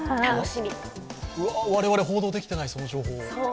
我々、報道できていない、その情報。